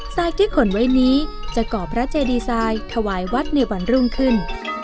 ทรายที่ขนไว้นี้จะก่อพระเจดีไซน์ถวายวัดในวันรุ่งขึ้น